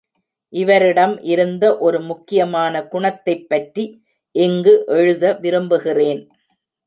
இவரிடம் இருந்த ஒரு முக்கியமான குணத்தைப் பற்றி இங்கு எழுத விரும்புகிறேன்.